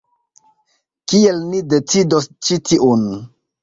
Kiel ni decidos ĉi tiun?